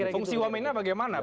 fungsi wamennya bagaimana